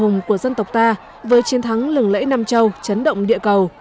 hùng của dân tộc ta với chiến thắng lừng lẫy nam châu chấn động địa cầu